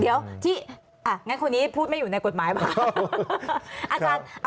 เดี๋ยวที่งั้นคนนี้พูดไม่อยู่ในกฎหมายเปล่า